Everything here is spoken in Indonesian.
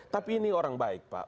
tapi ini orang baik pak